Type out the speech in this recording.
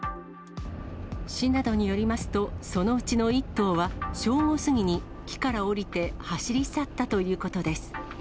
市などによりますと、そのうちの１頭は正午過ぎに木から下りて走り去ったということです。